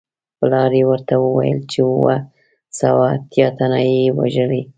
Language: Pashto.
پلار یې ورته وویل چې اووه سوه اتیا تنه یې وژلي.